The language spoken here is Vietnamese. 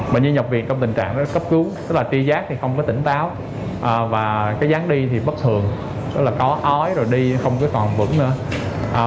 bệnh viện nhập viện trong tình trạng cấp cứu tí giác không tỉnh táo gián đi bất thường có ói đi không còn vững nữa